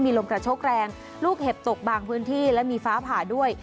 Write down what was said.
มีลมกระโชกแรงลูกเห็บตกบางพื้นที่และมีฟ้าผ่าด้วย